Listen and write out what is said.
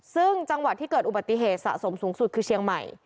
ซึ่งจังหวัดที่เกิดอุบัติเหตุสะสมสูงสุดคือเชียงใหม่